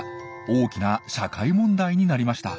大きな社会問題になりました。